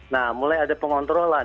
nah mulai ada pengontrolan